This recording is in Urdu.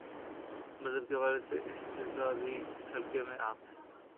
مذہب کے حوالے سے استہزا بھی، اس حلقے میں عام ہے۔